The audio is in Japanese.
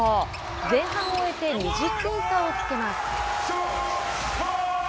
前半を終えて２０点差をつけます。